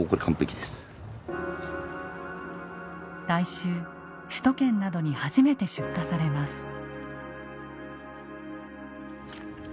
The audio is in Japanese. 来週首都圏などに初めて出荷されます。